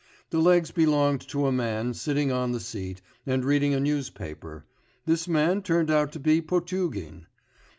The legs belonged to a man, sitting on the seat, and reading a newspaper; this man turned out to be Potugin.